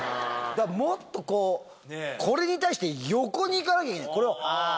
もっとこれに対して横に行かなきゃいけない。